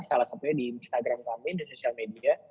salah satunya di instagram kami di sosial media